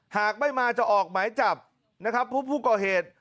หากไม่มาจะออกหมายจับนะครับพบผู้ก่อเหตุ